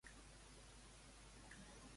Amb quin altre ésser han relacionat Ymir?